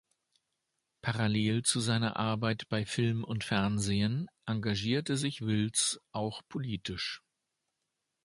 Parallel zu seiner Arbeit bei Film und Fernsehen engagierte sich Wills auch politisch.